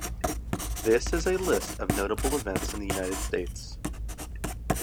This is a list of notable events in the United States.